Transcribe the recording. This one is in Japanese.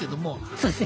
そうですね